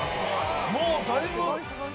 もうだいぶ。